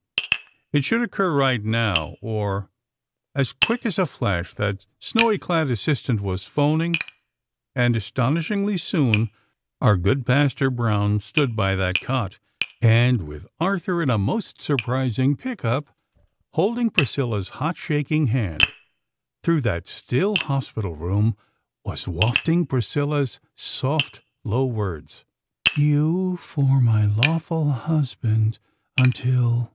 It should occur right now! Or, " As quick as a flash that snowy clad assistant was phoning; and, astonishingly soon, our good Pastor Brown stood by that cot; and, with Arthur in a most surprising pick up, holding Priscilla's hot, shaking hand, through that still hospital room was wafting Priscilla's soft, low words: "... you for my lawful husband, until